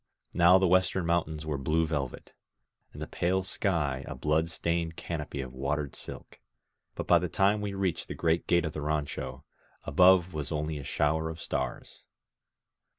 Now the western mountains were blue velvet, and the pale sky a blood stained canopy of watered silk. But by the time we reached the great gate of the rancho, above was only a shower of stars.